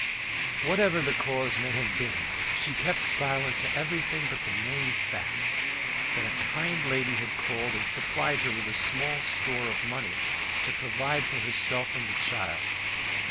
Whatever the cause may have been, she kept silent to everything but the main fact that a kind lady had called and supplied her with a small store of money to provide for herself and the child.